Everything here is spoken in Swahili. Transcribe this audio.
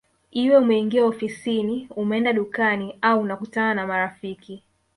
Iwe unaingia ofisini umeenda dukani au unakutana na marafiki